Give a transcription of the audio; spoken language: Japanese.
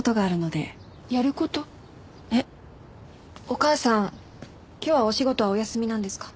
お母さん今日はお仕事はお休みなんですか？